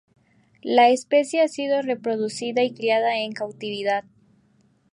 La especie ha sido reproducida y criada en cautividad.